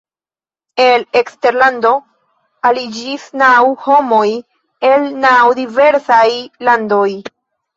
El eksterlando aliĝis naŭ homoj el naŭ diversaj landoj.